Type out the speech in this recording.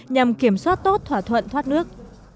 nhằm kiểm soát tốt thỏa thuận thoát nước